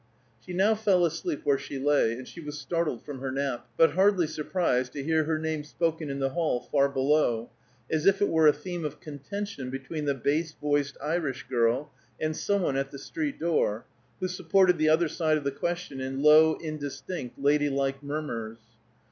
She now fell asleep where she lay, and she was startled from her nap, but hardly surprised, to hear her name spoken in the hall far below, as if it were a theme of contention between the bass voiced Irish girl and some one at the street door, who supported the other side of the question in low, indistinct, lady like murmurs.